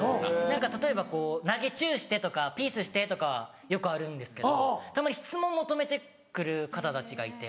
例えば「投げチュして」とか「ピースして」とかはよくあるんですけどたまに質問求めて来る方たちがいて。